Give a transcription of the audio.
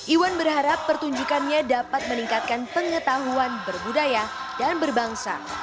iwan berharap pertunjukannya dapat meningkatkan pengetahuan berbudaya dan berbangsa